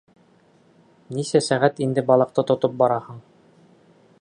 Нисә сәғәт инде балыҡты тотоп бараһың.